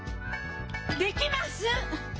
できます！